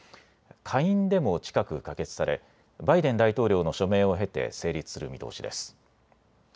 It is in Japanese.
下院でも近く可決されバイデン大統領の署名を経て成立する見通しです。